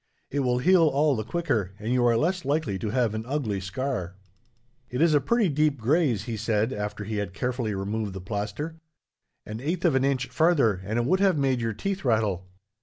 It will heal all the quicker, and you are less likely to have an ugly scar. "It is a pretty deep graze," he said, after he had carefully removed the plaster. "An eighth of an inch farther, and it would have made your teeth rattle.